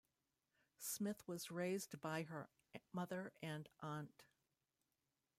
Smith was raised by her mother and aunt.